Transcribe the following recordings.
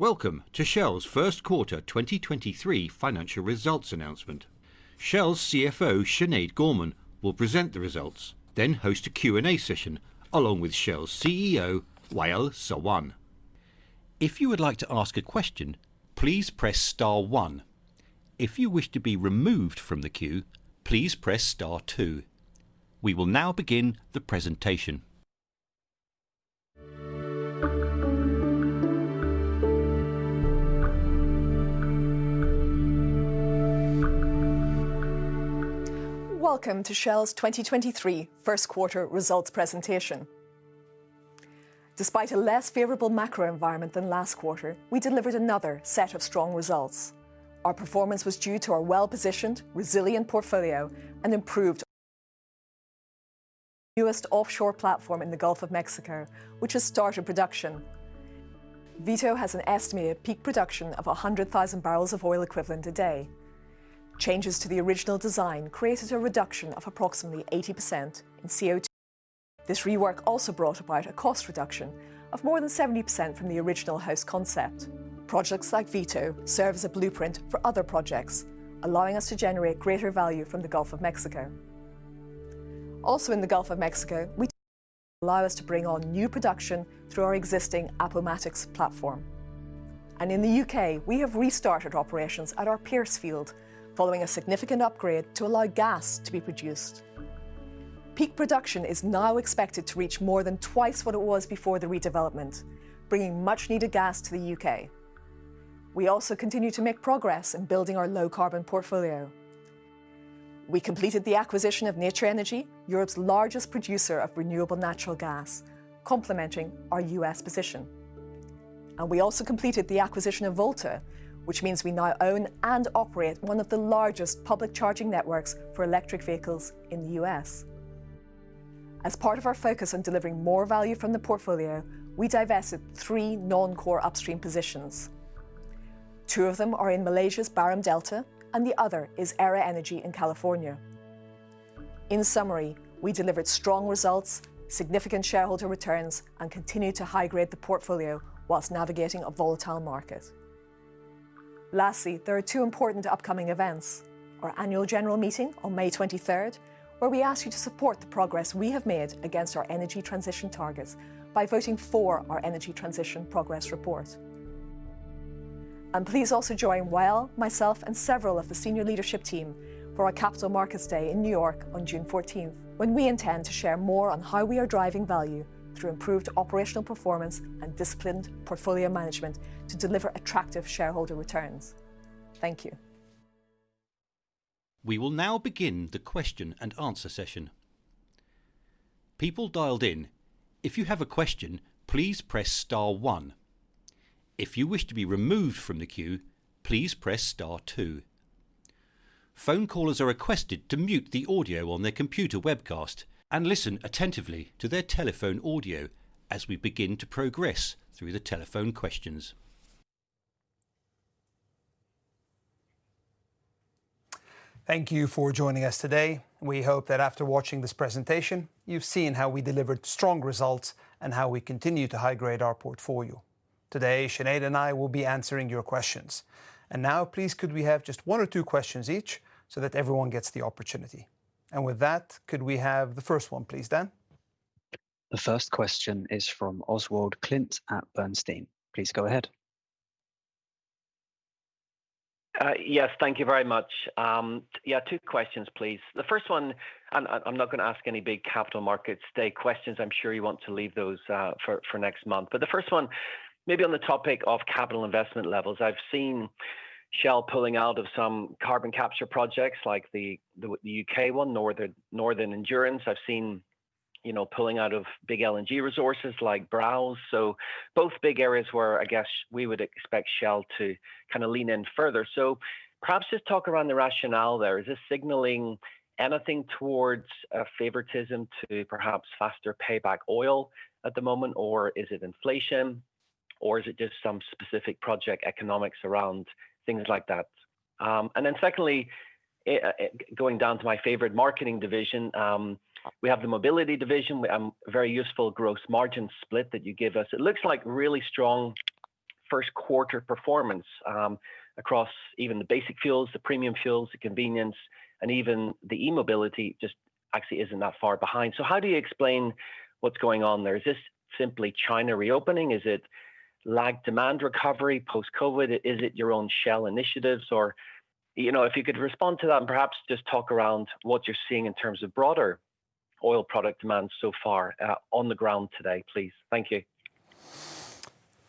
Welcome to Shell's first quarter 2023 financial results announcement. Shell's CFO, Sinead Gorman, will present the results, then host a Q&A session along with Shell's CEO, Wael Sawan. If you would like to ask a question, please press star one. If you wish to be removed from the queue, please press star two. We will now begin the presentation. Welcome to Shell's 2023 first quarter results presentation. Despite a less favorable macro environment than last quarter, we delivered another set of strong results. Our performance was due to our well-positioned, resilient portfolio. Newest offshore platform in the Gulf of Mexico, which has started production. Vito has an estimated peak production of 100,000 barrels of oil equivalent a day. Changes to the original design created a reduction of approximately 80% in CO2. This rework also brought about a cost reduction of more than 70% from the original host concept. Projects like Vito serve as a blueprint for other projects, allowing us to generate greater value from the Gulf of Mexico. In the Gulf of Mexico, we allow us to bring on new production through our existing Appomattox platform. In the U.K., we have restarted operations at our Pierce Field following a significant upgrade to allow gas to be produced. Peak production is now expected to reach more than twice what it was before the redevelopment, bringing much needed gas to the U.K. We also continue to make progress in building our low carbon portfolio. We completed the acquisition of Nature Energy, Europe's largest producer of renewable natural gas, complementing our U.S. position. We also completed the acquisition of Volta, which means we now own and operate one of the largest public charging networks for electric vehicles in the U.S. As part of our focus on delivering more value from the portfolio, we divested three non-core upstream positions. Two of them are in Malaysia's Baram Delta, and the other is Aera Energy in California. In summary, we delivered strong results, significant shareholder returns, and continued to high-grade the portfolio whilst navigating a volatile market. Lastly, there are two important upcoming events: our annual general meeting on May 23rd, where we ask you to support the progress we have made against our energy transition targets by voting for our energy transition progress report. Please also join Wael, myself, and several of the senior leadership team for our Capital Markets Day in New York on June 14th, when we intend to share more on how we are driving value through improved operational performance and disciplined portfolio management to deliver attractive shareholder returns. Thank you. We will now begin the question and answer session. People dialed in, if you have a question, please press star one. If you wish to be removed from the queue, please press star two. Phone callers are requested to mute the audio on their computer webcast and listen attentively to their telephone audio as we begin to progress through the telephone questions. Thank you for joining us today. We hope that after watching this presentation, you've seen how we delivered strong results and how we continue to high-grade our portfolio. Today, Sinead and I will be answering your questions. Now, please could we have just one or two questions each so that everyone gets the opportunity. With that, could we have the first one, please, Dan? The first question is from Oswald Clint at Bernstein. Please go ahead. Yes. Thank you very much. Yeah, two questions, please. The first one, I'm not gonna ask any big Capital Markets Day questions. I'm sure you want to leave those for next month. The first one maybe on the topic of capital investment levels. I've seen Shell pulling out of some carbon capture projects like the U.K. one, Northern Endurance. I've seen, you know, pulling out of big LNG resources like Browse. Both big areas where I guess we would expect Shell to kind of lean in further. Perhaps just talk around the rationale there. Is this signaling anything towards favoritism to perhaps faster payback oil at the moment, or is it inflation, or is it just some specific project economics around things like that? Secondly, going down to my favorite marketing division, we have the mobility division, very useful gross margin split that you give us. It looks like really strong first quarter performance, across even the basic fuels, the premium fuels, the convenience, and even the e-mobility just actually isn't that far behind. How do you explain what's going on there? Is this simply China reopening? Is it lag demand recovery post-COVID? Is it your own Shell initiatives or, you know, if you could respond to that and perhaps just talk around what you're seeing in terms of broader oil product demand so far, on the ground today, please. Thank you.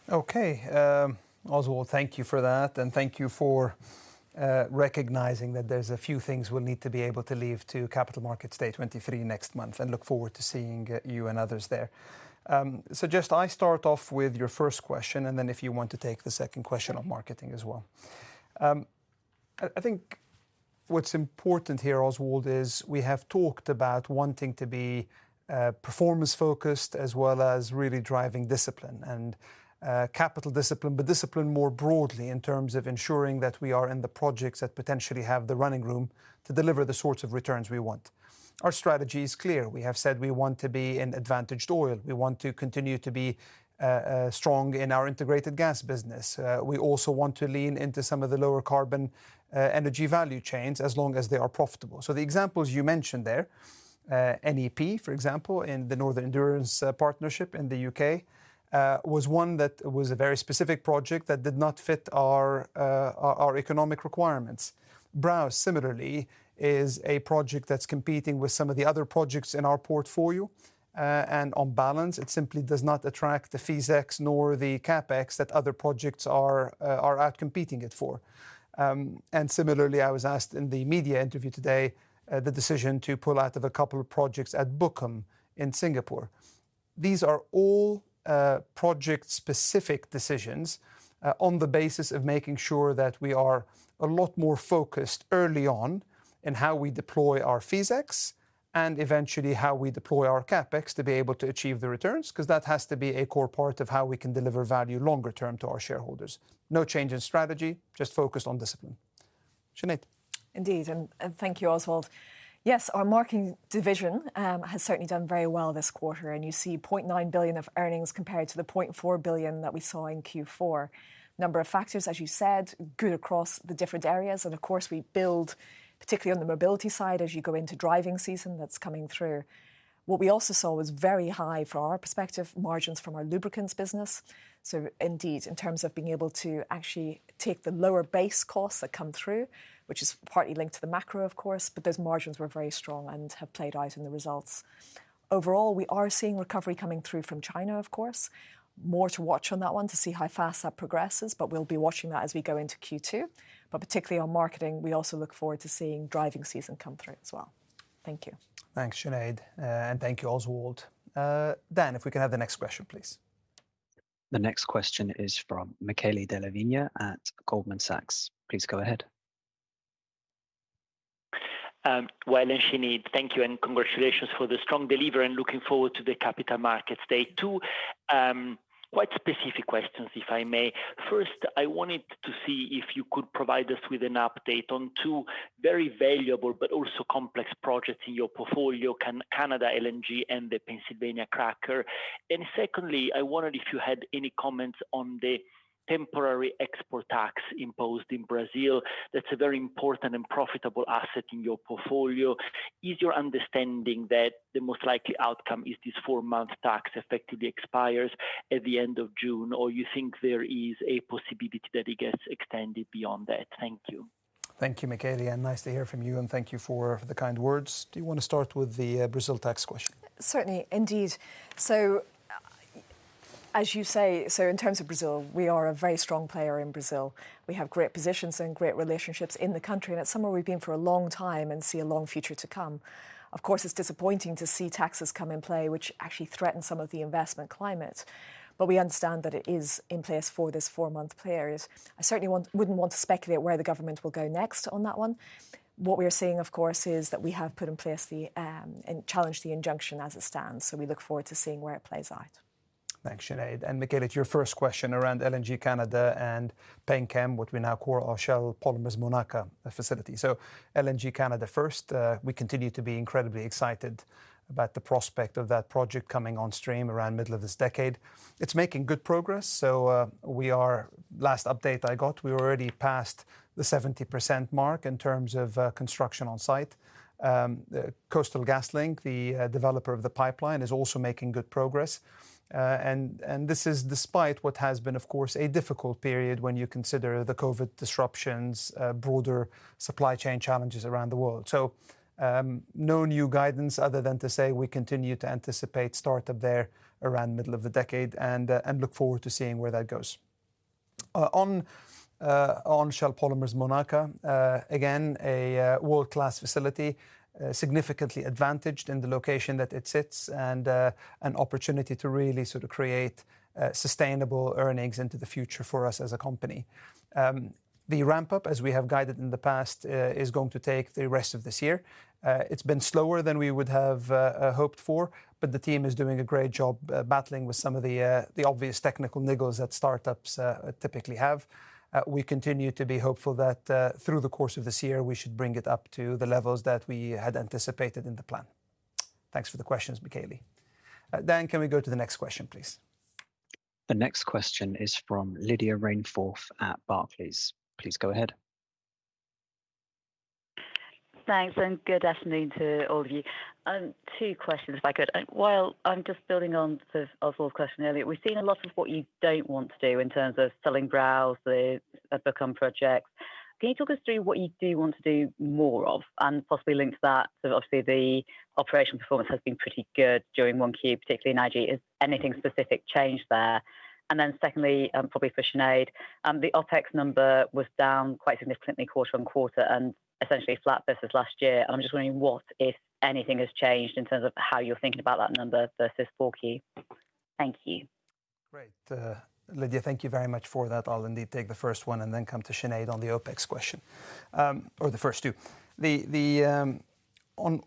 Okay. Oswald, thank you for that, and thank you for recognizing that there's a few things we'll need to be able to leave to Capital Markets Day 2023 next month, and look forward to seeing you and others there. Just I start off with your first question, then if you want to take the second question on marketing as well. I think what's important here, Oswald, is we have talked about wanting to be performance-focused as well as really driving discipline, and capital discipline, but discipline more broadly in terms of ensuring that we are in the projects that potentially have the running room to deliver the sorts of returns we want. Our strategy is clear. We have said we want to be in advantaged oil. We want to continue to be a strong in our integrated gas business. We also want to lean into some of the lower carbon energy value chains as long as they are profitable. The examples you mentioned there, NEP, for example, in the Northern Endurance Partnership in the U.K., was one that was a very specific project that did not fit our economic requirements. Browse similarly is a project that's competing with some of the other projects in our portfolio, and on balance it simply does not attract the OpEx nor the CapEx that other projects are outcompeting it for. Similarly, I was asked in the media interview today, the decision to pull out of a couple of projects at Bukom in Singapore. These are all, project-specific decisions, on the basis of making sure that we are a lot more focused early on in how we deploy our OpEx and eventually how we deploy our CapEx to be able to achieve the returns, 'cause that has to be a core part of how we can deliver value longer term to our shareholders. No change in strategy, just focused on discipline. Sinead. Indeed, thank you, Oswald. Yes, our marketing division has certainly done very well this quarter. You see $0.9 billion of earnings compared to the $0.4 billion that we saw in Q4. Number of factors, as you said, good across the different areas. Of course we build particularly on the mobility side as you go into driving season that's coming through. What we also saw was very high from our perspective, margins from our lubricants business. Indeed in terms of being able to actually take the lower base costs that come through, which is partly linked to the macro of course, but those margins were very strong and have played out in the results. Overall, we are seeing recovery coming through from China, of course. More to watch on that one to see how fast that progresses. We'll be watching that as we go into Q2. Particularly on marketing, we also look forward to seeing driving season come through as well. Thank you. Thanks, Sinead, and thank you, Oswald. Dan, if we could have the next question, please. The next question is from Michele Della Vigna at Goldman Sachs. Please go ahead. Wael and Sinead, thank you and congratulations for the strong delivery and looking forward to the Capital Markets Day two. Quite specific questions if I may. First, I wanted to see if you could provide us with an update on two very valuable but also complex projects in your portfolio, LNG Canada and the Pennsylvania cracker. Secondly, I wondered if you had any comments on the temporary export tax imposed in Brazil. That's a very important and profitable asset in your portfolio. Is your understanding that the most likely outcome is this four-month tax effectively expires at the end of June, or you think there is a possibility that it gets extended beyond that? Thank you. Thank you, Michele, and nice to hear from you, and thank you for the kind words. Do you wanna start with the Brazil tax question? Certainly, indeed. As you say, in terms of Brazil, we are a very strong player in Brazil. We have great positions and great relationships in the country, and it's somewhere we've been for a long time and see a long future to come. Of course, it's disappointing to see taxes come in play which actually threaten some of the investment climate. We understand that it is in place for this four-month period. I certainly wouldn't want to speculate where the government will go next on that one. What we are seeing, of course, is that we have put in place the and challenged the injunction as it stands, so we look forward to seeing where it plays out. Thanks, Sinead. Michele, to your first question around LNG Canada and Penn Chem, what we now call our Shell Polymers Monaca facility. LNG Canada first, we continue to be incredibly excited about the prospect of that project coming on stream around middle of this decade. It's making good progress, so, Last update I got, we were already past the 70% mark in terms of construction on site. The Coastal GasLink, the developer of the pipeline, is also making good progress. This is despite what has been, of course, a difficult period when you consider the COVID disruptions, broader supply chain challenges around the world. No new guidance other than to say we continue to anticipate start up there around middle of the decade and look forward to seeing where that goes. On Shell Polymers Monaca, again, a world-class facility, significantly advantaged in the location that it sits and an opportunity to really sort of create sustainable earnings into the future for us as a company. The ramp-up, as we have guided in the past, is going to take the rest of this year. It's been slower than we would have hoped for, but the team is doing a great job battling with some of the obvious technical niggles that start-ups typically have. We continue to be hopeful that through the course of this year, we should bring it up to the levels that we had anticipated in the plan. Thanks for the questions, Michele. Dan, can we go to the next question, please? The next question is from Lydia Rainforth at Barclays. Please go ahead. Thanks, good afternoon to all of you. Two questions if I could. Wael, I'm just building on sort of Oswald's question earlier. We've seen a lot of what you don't want to do in terms of selling Browse, the Bukom projects. Can you talk us through what you do want to do more of, and possibly link to that sort of obviously the operation performance has been pretty good during Q1, particularly in IG. Has anything specific changed there? Secondly, probably for Sinead, the OpEx number was down quite significantly quarter-on-quarter and essentially flat versus last year, and I'm just wondering what, if anything, has changed in terms of how you're thinking about that number versus Q4. Thank you. Great. Lydia, thank you very much for that. I'll indeed take the first one and then come to Sinead on the OpEx question. The first two. On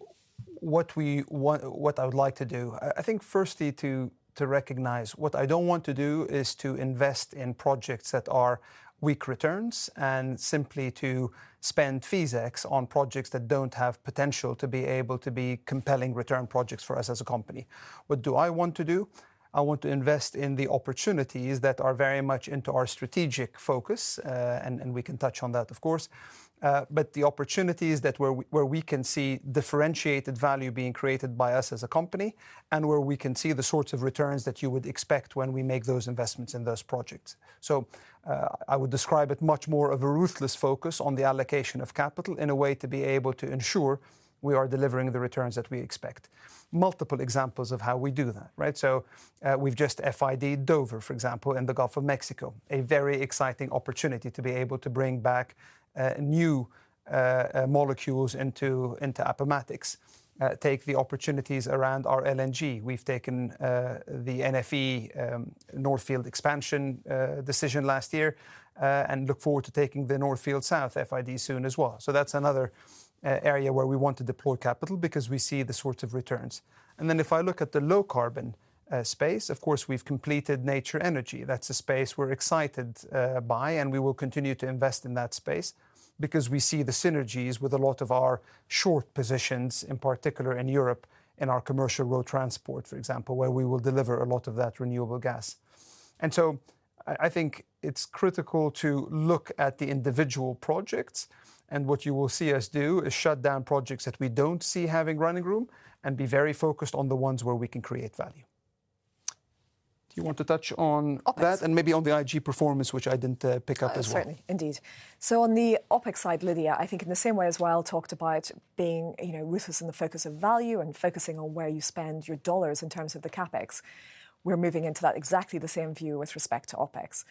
what I would like to do, I think firstly to recognize what I don't want to do is to invest in projects that are weak returns and simply to spend CapEx on projects that don't have potential to be able to be compelling return projects for us as a company. What do I want to do? I want to invest in the opportunities that are very much into our strategic focus, and we can touch on that of course. The opportunities that where we can see differentiated value being created by us as a company, and where we can see the sorts of returns that you would expect when we make those investments in those projects. I would describe it much more of a ruthless focus on the allocation of capital in a way to be able to ensure we are delivering the returns that we expect. Multiple examples of how we do that, right? We've just FID Dover, for example, in the Gulf of Mexico. A very exciting opportunity to be able to bring back new molecules into Appomattox. Take the opportunities around our LNG. We've taken the NFE, North Field Expansion, decision last year, and look forward to taking the North Field South FID soon as well. That's another area where we want to deploy capital because we see the sorts of returns. Then if I look at the low carbon space, of course we've completed Nature Energy. That's a space we're excited by, and we will continue to invest in that space because we see the synergies with a lot of our short positions, in particular in Europe, in our commercial road transport, for example, where we will deliver a lot of that renewable gas. So I think it's critical to look at the individual projects, and what you will see us do is shut down projects that we don't see having running room, and be very focused on the ones where we can create value. Do you want to touch on- OpEx that and maybe on the IG performance, which I didn't pick up as well. Certainly. Indeed. On the OpEx side, Lydia, I think in the same way as Wael talked about being, you know, ruthless in the focus of value and focusing on where you spend your dollars in terms of the CapEx, we're moving into that exactly the same view with respect to OpEx.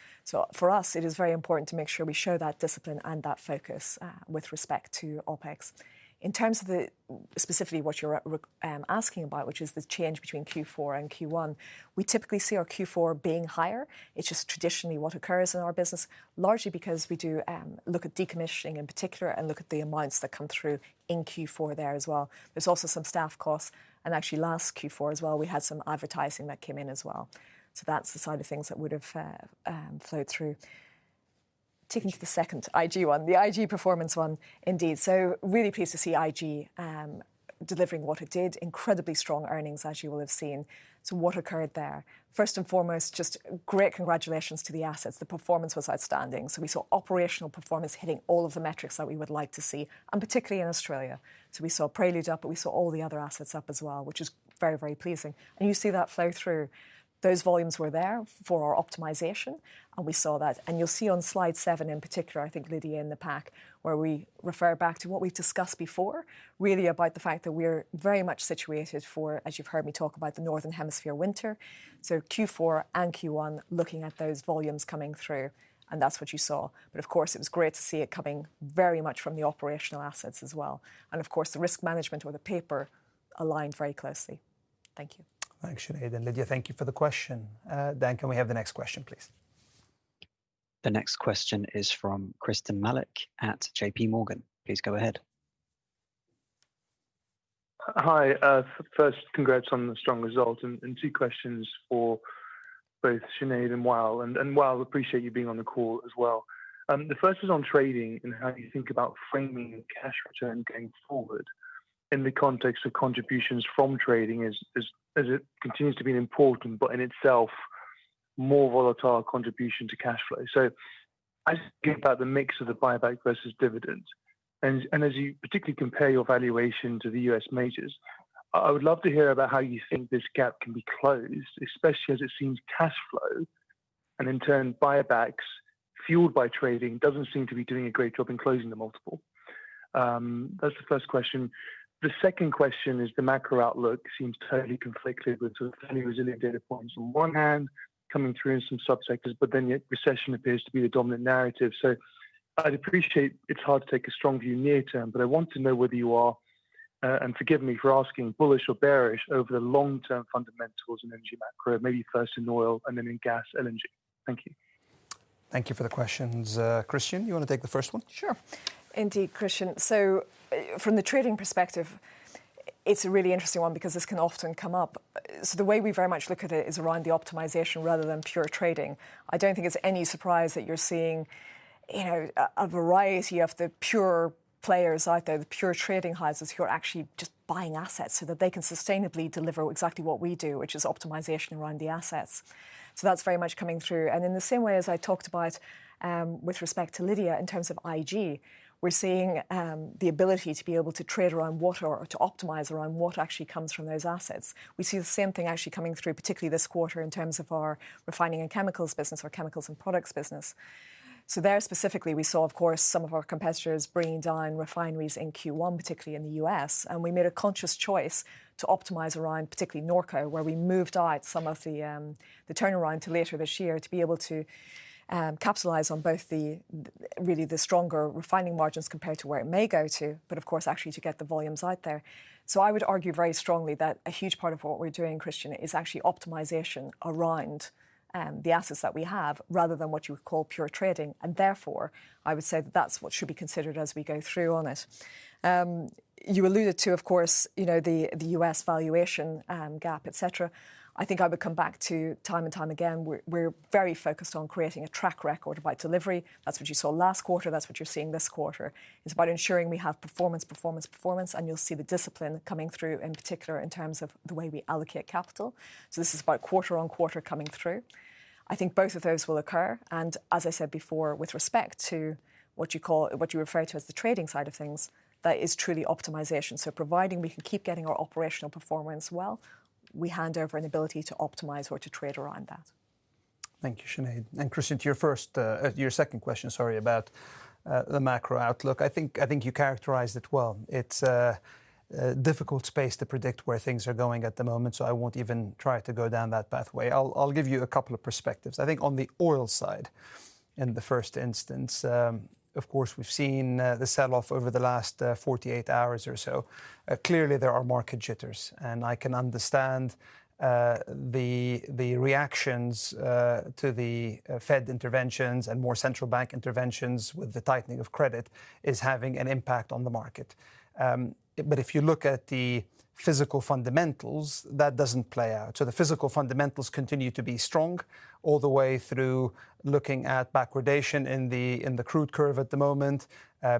For us, it is very important to make sure we show that discipline and that focus with respect to OpEx. In terms of specifically what you're asking about, which is the change between Q4 and Q1, we typically see our Q4 being higher. It's just traditionally what occurs in our business, largely because we do look at decommissioning in particular and look at the amounts that come through in Q4 there as well. There's also some staff costs. Actually last Q4 as well, we had some advertising that came in as well. That's the side of things that would have flowed through. Taking to the second IG one, the IG performance one, indeed. Really pleased to see IG delivering what it did. Incredibly strong earnings, as you will have seen. What occurred there? First and foremost, just great congratulations to the assets. The performance was outstanding. We saw operational performance hitting all of the metrics that we would like to see, and particularly in Australia. We saw Prelude up, but we saw all the other assets up as well, which is very, very pleasing. You see that flow through. Those volumes were there for our optimization, and we saw that. You'll see on slide seven in particular, I think, Lydia, in the pack, where we refer back to what we've discussed before, really about the fact that we're very much situated for, as you've heard me talk about, the Northern Hemisphere winter. Q4 and Q1, looking at those volumes coming through, and that's what you saw. Of course it was great to see it coming very much from the operational assets as well. Of course, the risk management or the paper aligned very closely. Thank you. Thanks, Sinead. Lydia, thank you for the question. Dan, can we have the next question, please? The next question is from Christyan Malek at JPMorgan. Please go ahead. Hi. first, congrats on the strong results. Two questions for both Sinead and Wael. Wael, appreciate you being on the call as well. The first is on trading and how you think about framing cash return going forward in the context of contributions from trading as it continues to be an important, but in itself more volatile contribution to cash flow. I just think about the mix of the buyback versus dividends. As you particularly compare your valuation to the U.S. majors, I would love to hear about how you think this gap can be closed, especially as it seems cash flow, and in turn buybacks fueled by trading, doesn't seem to be doing a great job in closing the multiple. That's the first question. The second question is the macro outlook seems totally conflicted with sort of fairly resilient data points on one hand coming through in some subsectors, but then yet recession appears to be the dominant narrative. I'd appreciate it's hard to take a strong view near term, but I want to know whether you are, and forgive me for asking, bullish or bearish over the long-term fundamentals in energy macro, maybe first in oil and then in gas, LNG. Thank you. Thank you for the questions. Christyan, you wanna take the first one? Sure. Indeed, Christyan. From the trading perspective, it's a really interesting one because this can often come up. The way we very much look at it is around the optimization rather than pure trading. I don't think it's any surprise that you're seeing, you know, a variety of the pure players out there, the pure trading houses who are actually just buying assets so that they can sustainably deliver exactly what we do, which is optimization around the assets. That's very much coming through. In the same way as I talked about, with respect to Lydia in terms of IG, we're seeing the ability to be able to trade around what or to optimize around what actually comes from those assets. We see the same thing actually coming through, particularly this quarter in terms of our refining and chemicals business or chemicals and products business. There specifically, we saw of course, some of our competitors bringing down refineries in Q1, particularly in the U.S. We made a conscious choice to optimize around particularly Norco, where we moved out some of the turnaround to later this year to be able to capitalize on both the, really the stronger refining margins compared to where it may go to, but of course actually to get the volumes out there. I would argue very strongly that a huge part of what we're doing, Christyan, is actually optimization around the assets that we have rather than what you would call pure trading. I would say that that's what should be considered as we go through on it. You alluded to, of course, you know, the U.S. valuation gap, et cetera. I think I would come back to time and time again. We're very focused on creating a track record by delivery. That's what you saw last quarter. That's what you're seeing this quarter. It's about ensuring we have performance, performance, and you'll see the discipline coming through, in particular in terms of the way we allocate capital. This is about quarter on quarter coming through. I think both of those will occur. As I said before, with respect to what you call, what you refer to as the trading side of things, that is truly optimization. Providing we can keep getting our operational performance well, we hand over an ability to optimize or to trade around that. Thank you, Sinead. Christyan, to your first, your second question, sorry, about the macro outlook. I think you characterized it well. It's a difficult space to predict where things are going at the moment, so I won't even try to go down that pathway. I'll give you a couple of perspectives. I think on the oil side in the first instance, of course we've seen the sell-off over the last 48 hours or so. Clearly there are market jitters, and I can understand the reactions to the Fed interventions and more central bank interventions with the tightening of credit is having an impact on the market. If you look at the physical fundamentals, that doesn't play out. The physical fundamentals continue to be strong all the way through looking at backwardation in the crude curve at the moment.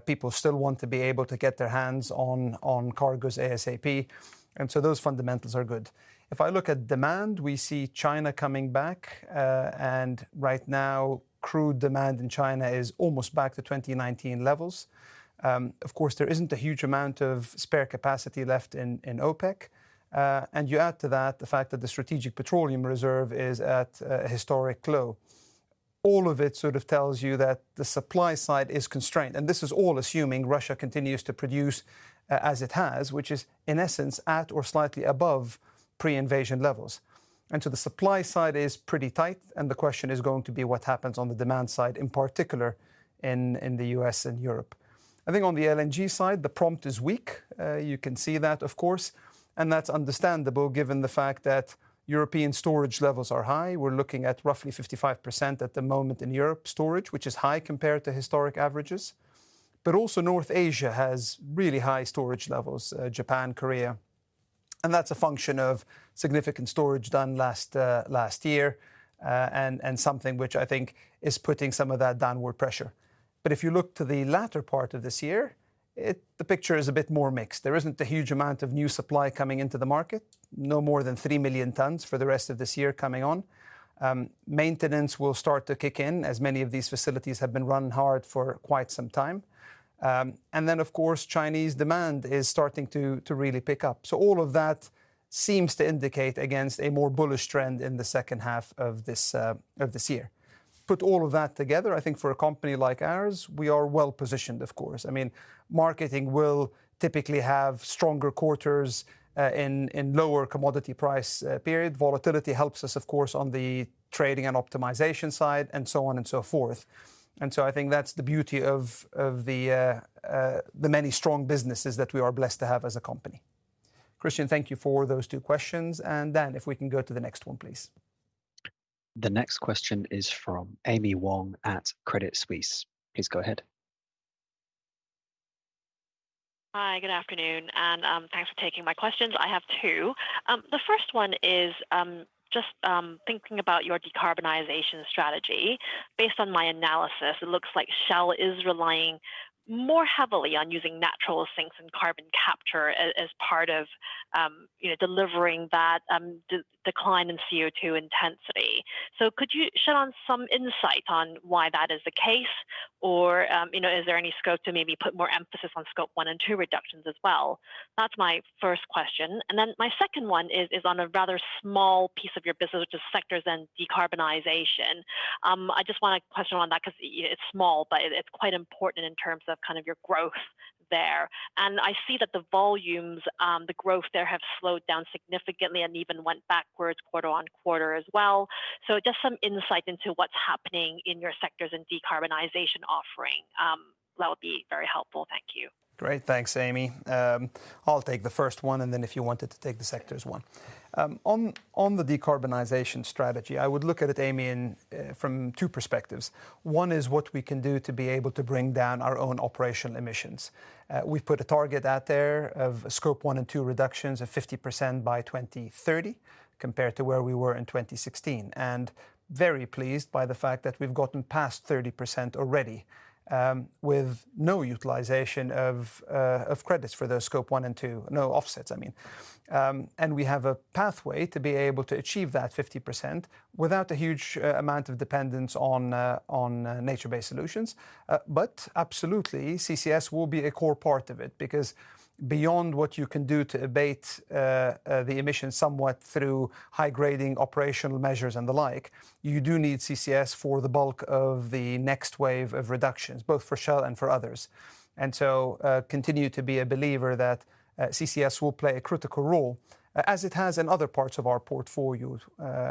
People still want to be able to get their hands on cargoes ASAP. Those fundamentals are good. If I look at demand, we see China coming back. Right now crude demand in China is almost back to 2019 levels. Of course, there isn't a huge amount of spare capacity left in OPEC. You add to that the fact that the Strategic Petroleum Reserve is at a historic low. All of it sort of tells you that the supply side is constrained, and this is all assuming Russia continues to produce as it has, which is in essence at or slightly above pre-invasion levels. The supply side is pretty tight and the question is going to be what happens on the demand side, in particular in the U.S. and Europe. I think on the LNG side, the prompt is weak. You can see that of course, and that's understandable given the fact that European storage levels are high. We're looking at roughly 55% at the moment in Europe storage, which is high compared to historic averages. Also North Asia has really high storage levels, Japan, Korea, and that's a function of significant storage done last year, and something which I think is putting some of that downward pressure. If you look to the latter part of this year, the picture is a bit more mixed. There isn't a huge amount of new supply coming into the market, no more than 3 million tons for the rest of this year coming on. Maintenance will start to kick in as many of these facilities have been run hard for quite some time. Of course, Chinese demand is starting to really pick up. All of that seems to indicate against a more bullish trend in the second half of this year. Put all of that together, I think for a company like ours, we are well positioned of course. I mean, marketing will typically have stronger quarters in lower commodity price period. Volatility helps us of course on the trading and optimization side, and so on and so forth. I think that's the beauty of the many strong businesses that we are blessed to have as a company. Christian, thank you for those two questions. Dan, if we can go to the next one, please. The next question is from Amy Wong at Credit Suisse. Please go ahead. Hi, good afternoon, thanks for taking my questions. I have two. The first one is, just thinking about your decarbonization strategy. Based on my analysis, it looks like Shell is relying more heavily on using natural sinks and carbon capture as part of, you know, delivering that decline in CO2 intensity. Could you shed on some insight on why that is the case? Or, you know, is there any scope to maybe put more emphasis on Scope 1 and Scope 2 reductions as well? That's my first question. My second one is on a rather small piece of your business, which is sectors and decarbonization. I just want a question on that because, you know, it's small, but it's quite important in terms of kind of your growth there. I see that the volumes, the growth there have slowed down significantly and even went backwards quarter-on-quarter as well. Just some insight into what's happening in your sectors and decarbonization offering, that would be very helpful. Thank you. Great. Thanks, Amy. I'll take the first one, then if you wanted to take the sectors one. On the decarbonization strategy, I would look at it, Amy, in from two perspectives. One is what we can do to be able to bring down our own operational emissions. We've put a target out there of Scope 1 and 2 reductions of 50% by 2030 compared to where we were in 2016, and very pleased by the fact that we've gotten past 30% already, with no utilization of credits for those Scope 1 and 2. No offsets, I mean. We have a pathway to be able to achieve that 50% without a huge amount of dependence on nature-based solutions. Absolutely CCS will be a core part of it because beyond what you can do to abate the emissions somewhat through high grading operational measures and the like, you do need CCS for the bulk of the next wave of reductions, both for Shell and for others. Continue to be a believer that CCS will play a critical role as it has in other parts of our portfolio,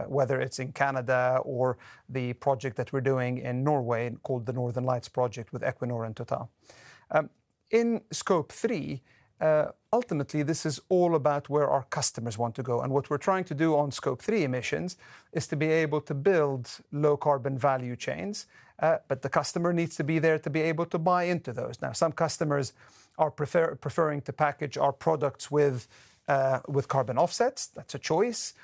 whether it's in Canada or the project that we're doing in Norway called the Northern Lights Project with Equinor and TotalEnergies. In Scope 3, ultimately this is all about where our customers want to go, and what we're trying to do on Scope 3 emissions is to be able to build low carbon value chains. The customer needs to be there to be able to buy into those. Some customers are preferring to package our products with carbon offsets. That's a choice.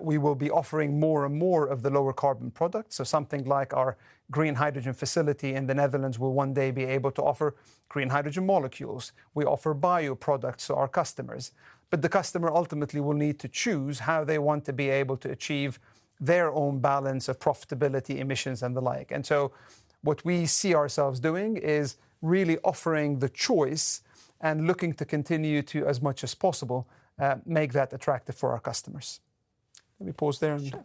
We will be offering more and more of the lower carbon products. Something like our green hydrogen facility in the Netherlands will one day be able to offer green hydrogen molecules. We offer bioproducts to our customers. The customer ultimately will need to choose how they want to be able to achieve their own balance of profitability, emissions and the like. What we see ourselves doing is really offering the choice and looking to continue to, as much as possible, make that attractive for our customers. Let me pause there. Sure.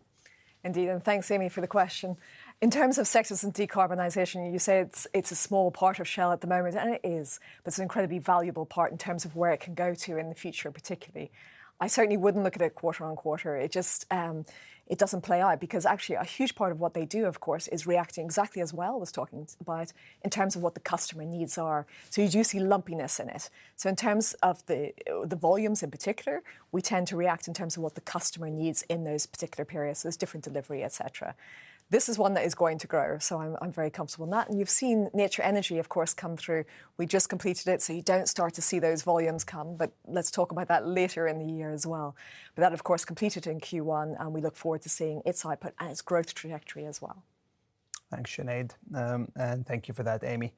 Indeed, thanks, Amy, for the question. In terms of sectors and decarbonization, you say it's a small part of Shell at the moment, and it is, but it's an incredibly valuable part in terms of where it can go to in the future particularly. I certainly wouldn't look at it quarter-on-quarter. It just, it doesn't play out because actually a huge part of what they do, of course, is reacting exactly as Wael was talking about in terms of what the customer needs are. You do see lumpiness in it. In terms of the volumes in particular, we tend to react in terms of what the customer needs in those particular periods. There's different delivery, et cetera. This is one that is going to grow, I'm very comfortable in that. You've seen Nature Energy, of course, come through. We just completed it, so you don't start to see those volumes come, but let's talk about that later in the year as well. That, of course, completed in Q1, and we look forward to seeing its output and its growth trajectory as well. Thanks, Sinead. Thank you for that, Amy.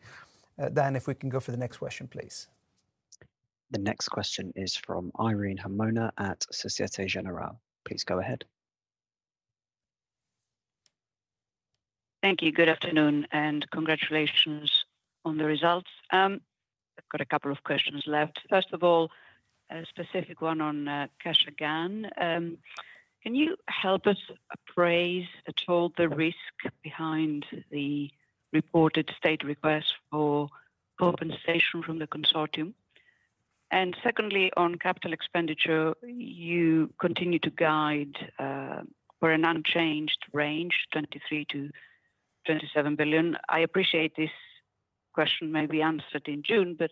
Dan, if we can go for the next question, please. The next question is from Irene Himona at Société Générale. Please go ahead. Thank you. Good afternoon and congratulations on the results. I've got a couple of questions left. First of all, a specific one on Kashagan. Can you help us appraise at all the risk behind the reported state request for compensation from the consortium? Secondly, on capital expenditure, you continue to guide for an unchanged range, $23 billion-$27 billion. I appreciate this question may be answered in June, but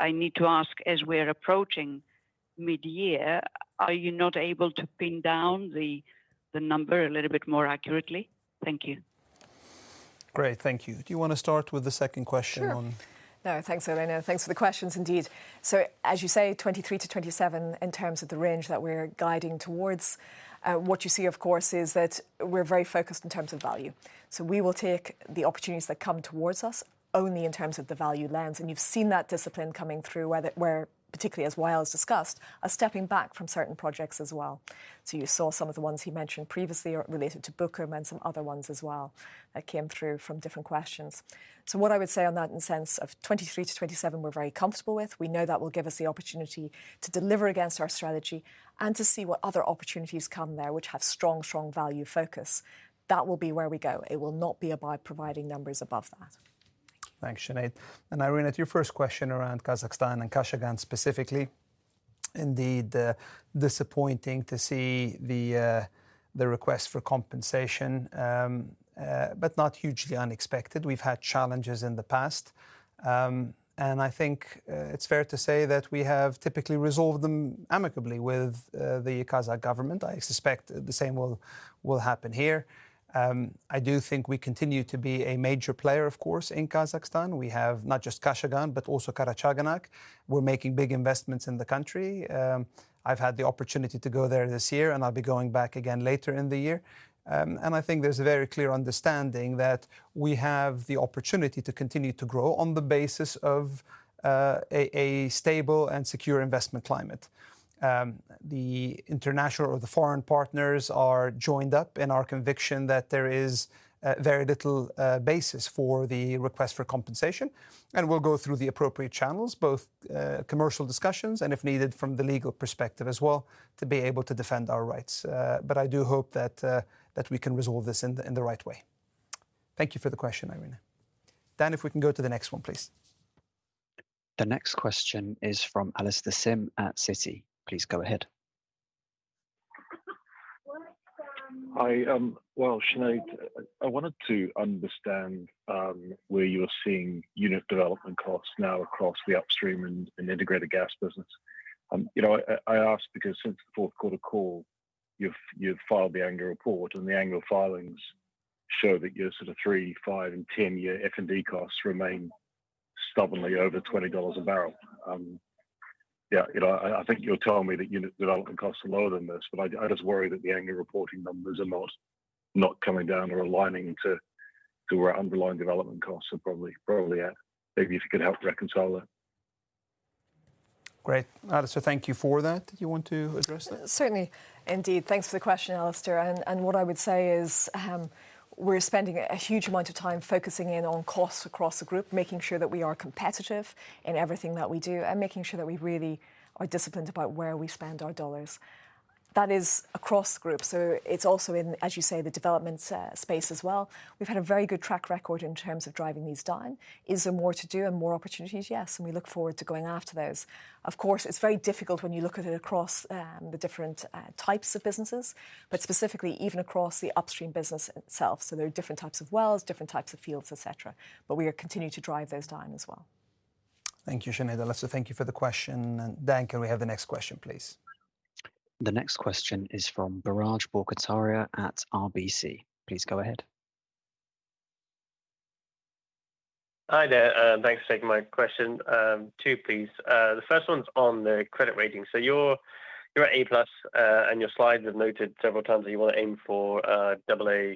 I need to ask, as we're approaching mid-year, are you not able to pin down the number a little bit more accurately? Thank you. Great. Thank you. Do you wanna start with the second question on- Sure. Thanks, Irene Himona. Thanks for the questions indeed. As you say, $23 billion-$27 billion in terms of the range that we're guiding towards, what you see, of course, is that we're very focused in terms of value. We will take the opportunities that come towards us only in terms of the value lens, and you've seen that discipline coming through where particularly, as Wael's discussed, are stepping back from certain projects as well. You saw some of the ones he mentioned previously related to Bukom and some other ones as well that came through from different questions. What I would say on that in the sense of $23 billion-$27 billion, we're very comfortable with. We know that will give us the opportunity to deliver against our strategy and to see what other opportunities come there which have strong value focus. That will be where we go. It will not be by providing numbers above that. Thanks, Sinead. Irene, at your first question around Kazakhstan and Kashagan specifically, indeed, disappointing to see the request for compensation, but not hugely unexpected. We've had challenges in the past, and I think, it's fair to say that we have typically resolved them amicably with, the Kazakh government. I suspect the same will happen here. I do think we continue to be a major player, of course, in Kazakhstan. We have not just Kashagan, but also Karachaganak. We're making big investments in the country. I've had the opportunity to go there this year, and I'll be going back again later in the year. And I think there's a very clear understanding that we have the opportunity to continue to grow on the basis of a stable and secure investment climate. The international or the foreign partners are joined up in our conviction that there is very little basis for the request for compensation. We'll go through the appropriate channels, both commercial discussions and, if needed, from the legal perspective as well, to be able to defend our rights. I do hope that we can resolve this in the right way. Thank you for the question, Irene. Dan, if we can go to the next one, please. The next question is from Alastair Syme at Citi. Please go ahead. Hi, well, Sinead, I wanted to understand where you're seeing unit development costs now across the upstream and integrated gas business. You know, I ask because since the fourth quarter call, you've filed the annual report, and the annual filings show that your sort of 3-5 years and 10-year F&D costs remain stubbornly over $20 a barrel. Yeah, you know, I think you're telling me that unit development costs are lower than this, but I just worry that the annual reporting numbers are not coming down or aligning to where underlying development costs are probably at. Maybe if you could help reconcile that. Great. Alastair, thank you for that. Do you want to address that? Certainly. Indeed. Thanks for the question, Alastair. What I would say is, we're spending a huge amount of time focusing in on costs across the group, making sure that we are competitive in everything that we do, and making sure that we really are disciplined about where we spend our dollars. That is across group. It's also in, as you say, the development space as well. We've had a very good track record in terms of driving these down. Is there more to do and more opportunities? Yes, we look forward to going after those. Of course, it's very difficult when you look at it across the different types of businesses, but specifically even across the upstream business itself. There are different types of wells, different types of fields, et cetera. We are continuing to drive those down as well. Thank you, Sinead. Alistair, thank you for the question. Dan, can we have the next question, please? The next question is from Biraj Borkhataria at RBC. Please go ahead. Hi there. Thanks for taking my question. Two, please. The first one's on the credit rating. You're at A+, and your slides have noted several times that you wanna aim for AA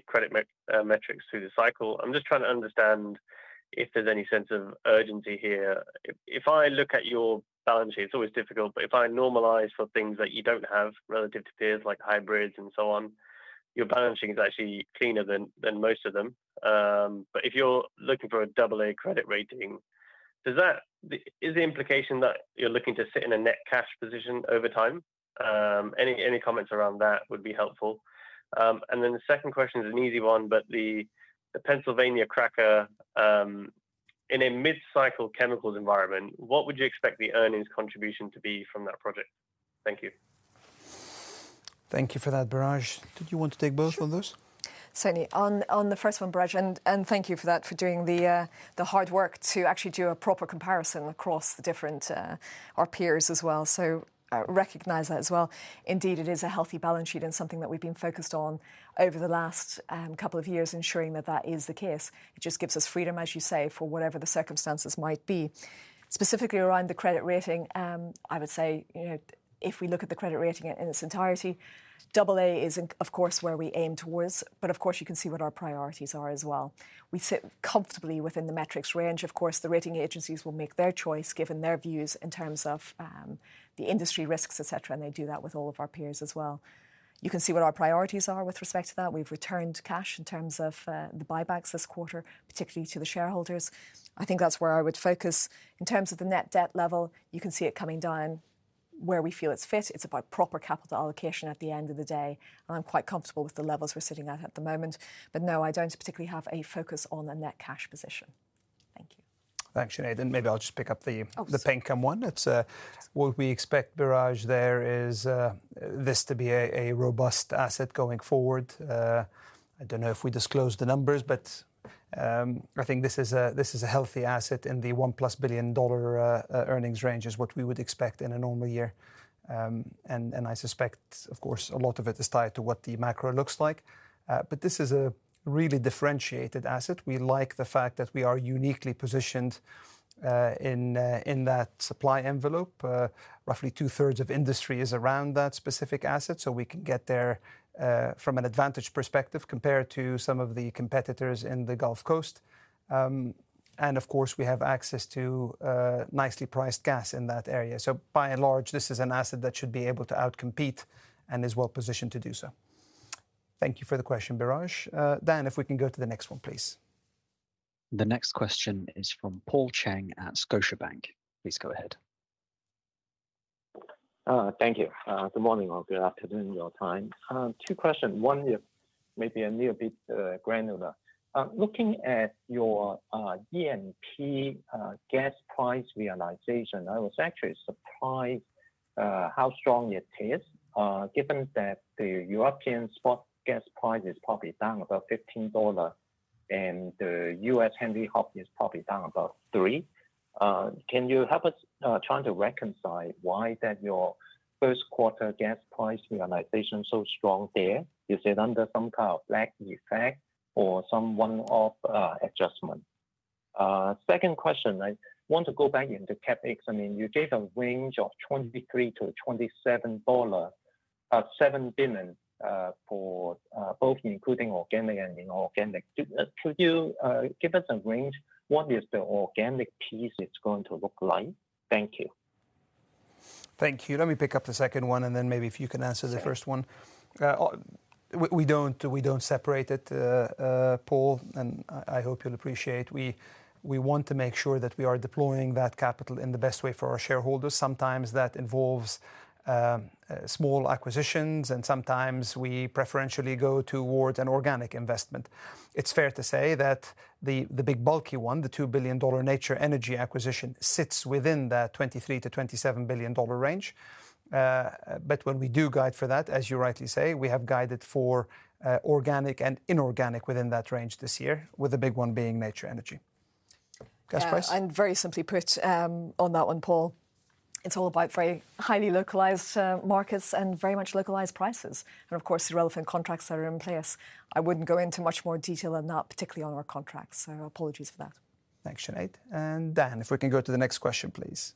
credit metrics through the cycle. I'm just trying to understand if there's any sense of urgency here. If I look at your balance sheet, it's always difficult, but if I normalize for things that you don't have relative to peers like hybrids and so on. Your balancing is actually cleaner than most of them. If you're looking for a AA credit rating, is the implication that you're looking to sit in a net cash position over time? Any comments around that would be helpful. The second question is an easy one, but the Pennsylvania Cracker, in a mid-cycle chemicals environment, what would you expect the earnings contribution to be from that project? Thank you. Thank you for that, Biraj. Did you want to take both of those? Sure. Certainly. On the first one, Biraj, and thank you for that, for doing the hard work to actually do a proper comparison across the different, our peers as well. I recognize that as well. Indeed, it is a healthy balance sheet and something that we've been focused on over the last couple of years, ensuring that that is the case. It just gives us freedom, as you say, for whatever the circumstances might be. Specifically around the credit rating, I would say, you know, if we look at the credit rating in its entirety, AA is of course, where we aim towards. Of course you can see what our priorities are as well. We sit comfortably within the metrics range. Of course, the rating agencies will make their choice given their views in terms of the industry risks, et cetera, and they do that with all of our peers as well. You can see what our priorities are with respect to that. We've returned cash in terms of the buybacks this quarter, particularly to the shareholders. I think that's where I would focus. In terms of the net debt level, you can see it coming down where we feel it's fit. It's about proper capital allocation at the end of the day, and I'm quite comfortable with the levels we're sitting at at the moment. No, I don't particularly have a focus on a net cash position. Thank you. Thanks, Sinead. Maybe I'll just pick up. Oh, sure. the Penn Chem one. It's what we expect, Biraj, there is this to be a robust asset going forward. I don't know if we disclosed the numbers, but I think this is a healthy asset in the $1+ billion earnings range is what we would expect in a normal year. And I suspect, of course, a lot of it is tied to what the macro looks like. But this is a really differentiated asset. We like the fact that we are uniquely positioned in that supply envelope. Roughly 2/3 of industry is around that specific asset, so we can get there from an advantage perspective compared to some of the competitors in the Gulf Coast. And of course, we have access to nicely priced gas in that area. By and large, this is an asset that should be able to out-compete and is well positioned to do so. Thank you for the question, Biraj. Dan, if we can go to the next one, please. The next question is from Paul Cheng at Scotiabank. Please go ahead. Thank you. Good morning or good afternoon your time. Two question. One is maybe a little bit granular. Looking at your E&P gas price realization, I was actually surprised how strong it is given that the European spot gas price is probably down about $15, and the U.S. Henry Hub is probably down about $3. Can you help us trying to reconcile why that your first quarter gas price realization so strong there? Is it under some kind of lag effect or some one-off adjustment? Second question, I want to go back into CapEx. I mean, you gave a range of $23-$27, $7 billion for both including organic and inorganic. Could you give us a range what is the organic piece is going to look like? Thank you. Thank you. Let me pick up the second one, and then maybe if you can answer the first one. Sure. We don't separate it, Paul, I hope you'll appreciate. We want to make sure that we are deploying that capital in the best way for our shareholders. Sometimes that involves small acquisitions, and sometimes we preferentially go towards an organic investment. It's fair to say that the big bulky one, the $2 billion Nature Energy acquisition, sits within that $23 billion-$27 billion range. When we do guide for that, as you rightly say, we have guided for organic and inorganic within that range this year, with the big one being Nature Energy. Gas price? Yeah, very simply put, on that one, Paul, it's all about very highly localized markets and very much localized prices and of course, the relevant contracts that are in place. I wouldn't go into much more detail than that, particularly on our contracts, so apologies for that. Thanks, Sinead. Dan, if we can go to the next question, please.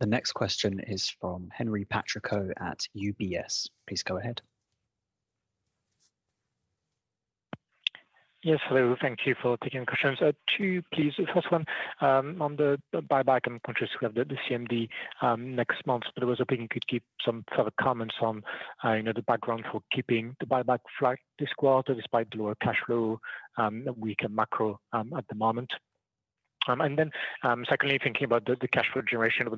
The next question is from Henri Patricot at UBS. Please go ahead. Yes, hello. Thank you for taking questions. Two please. The first one, on the buyback and conscious we have the CMD next month. I was hoping you could give some further comments on, you know, the background for keeping the buyback flat this quarter despite lower cash flow, weaker macro at the moment. Secondly, thinking about the cash flow generation over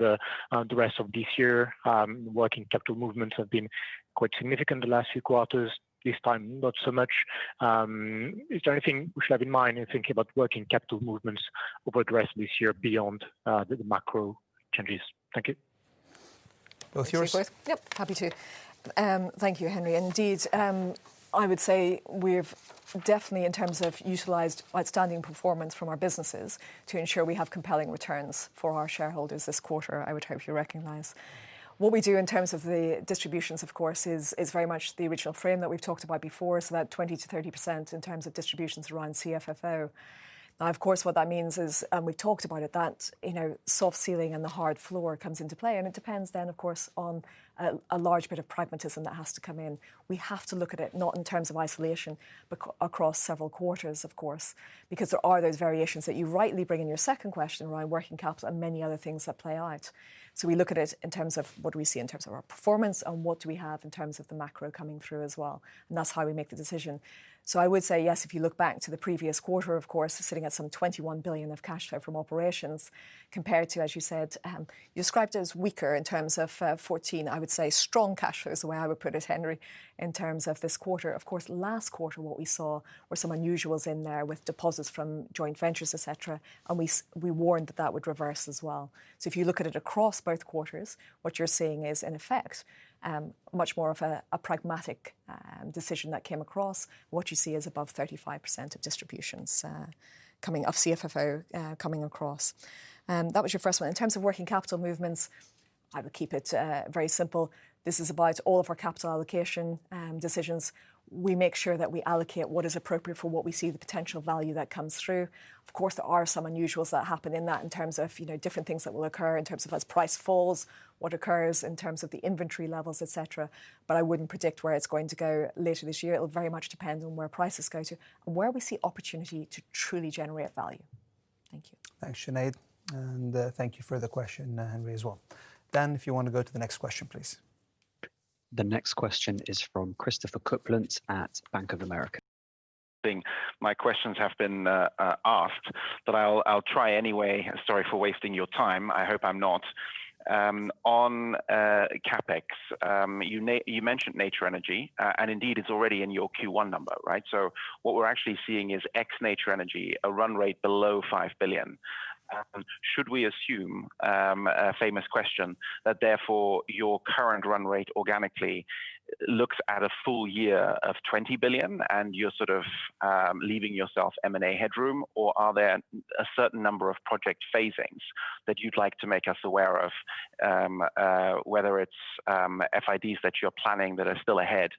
the rest of this year, working capital movements have been quite significant the last few quarters. This time, not so much. Is there anything we should have in mind in thinking about working capital movements over the rest of this year beyond the macro changes? Thank you. Both yours? I'll take both. Yep, happy to. Thank you, Henri. Indeed, I would say we've definitely, in terms of utilized outstanding performance from our businesses, to ensure we have compelling returns for our shareholders this quarter, I would hope you recognize. What we do in terms of the distributions, of course, is very much the original frame that we've talked about before. That 20%-30% in terms of distributions around CFFO. Now, of course, what that means is, and we've talked about it, that, you know, soft ceiling and the hard floor comes into play. It depends then of course, on a large bit of pragmatism that has to come in. We have to look at it not in terms of isolation, but across several quarters of course, because there are those variations that you rightly bring in your second question around working capital and many other things that play out. We look at it in terms of what do we see in terms of our performance and what do we have in terms of the macro coming through as well. That's how we make the decision. I would say yes, if you look back to the previous quarter, of course, sitting at some $21 billion of cash flow from operations compared to, as you said, you described it as weaker in terms of $14 billion. I would say strong cash flow is the way I would put it, Henri, in terms of this quarter. Of course, last quarter, what we saw were some unusuals in there with deposits from joint ventures, et cetera. We warned that that would reverse as well. If you look at it across both quarters, what you're seeing is in effect, much more of a pragmatic decision that came across. What you see is above 35% of distributions of CFFO coming across. That was your first one. In terms of working capital movements, I would keep it very simple. This is about all of our capital allocation decisions. We make sure that we allocate what is appropriate for what we see the potential value that comes through. There are some unusuals that happen in that in terms of, you know, different things that will occur in terms of as price falls, what occurs in terms of the inventory levels, et cetera. I wouldn't predict where it's going to go later this year. It will very much depend on where prices go to and where we see opportunity to truly generate value. Thank you. Thanks, Sinead, and thank you for the question, Henri, as well. Dan, if you want to go to the next question, please. The next question is from Christopher Kuplent at Bank of America. My questions have been asked, but I'll try anyway. Sorry for wasting your time. I hope I'm not. On CapEx, you mentioned Nature Energy, and indeed it's already in your Q1 number, right? What we're actually seeing is ex Nature Energy, a run rate below $5 billion. Should we assume, a famous question, that therefore your current run rate organically looks at a full year of $20 billion and you're sort of leaving yourself M&A headroom? Or are there a certain number of project phasings that you'd like to make us aware of, whether it's FIDs that you're planning that are still ahead,